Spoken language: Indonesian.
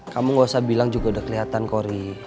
kamu nggak usah bilang juga udah kelihatan kok riri